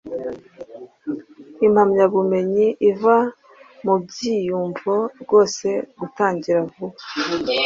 Impamyabumenyi iva mubyiyumvo Rwose gutangira vuba,